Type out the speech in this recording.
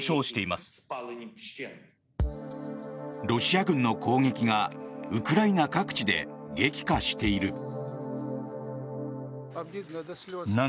ロシア軍の攻撃がウクライナ各地で激化している。